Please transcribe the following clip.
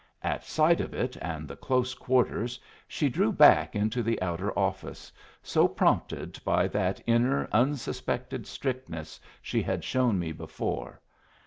At sight of it and the close quarters she drew back into the outer office, so prompted by that inner, unsuspected strictness she had shown me before.